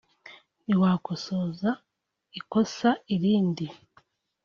ntiwakosoza ikosa irindi